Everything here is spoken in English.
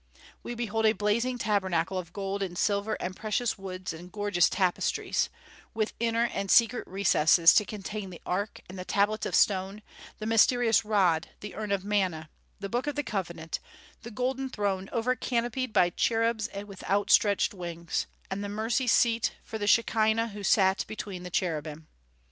We behold a blazing tabernacle of gold and silver and precious woods and gorgeous tapestries, with inner and secret recesses to contain the ark and the tables of stone, the mysterious rod, the urn of manna, the book of the covenant, the golden throne over canopied by cherubs with outstretched wings, and the mercy seat for the Shekinah who sat between the cherubim.